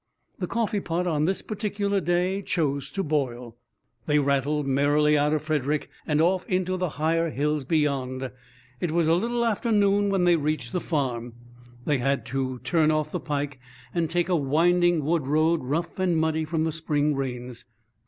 The coffeepot on this particular day chose to boil. They rattled merrily out of Frederick and off into the higher hills beyond. It was a little after noon when they reached the farm. They had had to turn off the pike and take a winding wood road, rough and muddy from the spring rains.